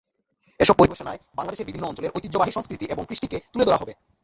এসব পরিবেশনায় বাংলাদেশের বিভিন্ন অঞ্চলের ঐতিহ্যবাহী সংস্কৃতি এবং কৃষ্টিকে তুলে ধরা হবে।